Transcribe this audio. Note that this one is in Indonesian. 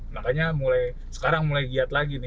makanya sekarang mulai giat lagi nih